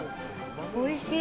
おいしい。